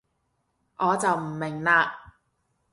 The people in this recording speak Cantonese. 我就唔知喇